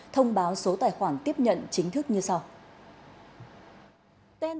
thông báo số tài khoản tiếp nhận chính thức như sau